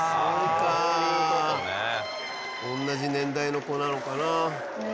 同じ年代の子なのかな。